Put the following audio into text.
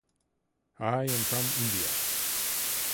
I am from India.